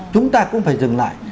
chúng ta cũng phải dừng lại